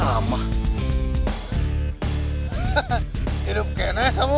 hahaha hidup kenes kamu